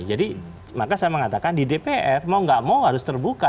jadi maka saya mengatakan di dpl mau nggak mau harus terbuka